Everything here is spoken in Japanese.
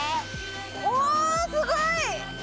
おすごい！